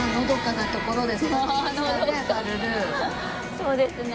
そうですね。